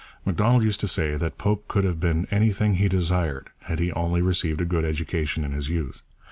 Macdonald used to say that Pope could have been anything he desired had he only received a good education in his youth.